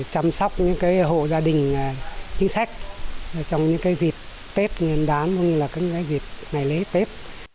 chăm sóc những cái hộ gia đình chính sách trong những cái dịp tết nguyên đán cũng như là những cái dịp ngày lễ tết